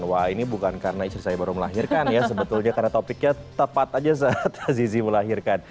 wah ini bukan karena istri saya baru melahirkan ya sebetulnya karena topiknya tepat aja saat azizi melahirkan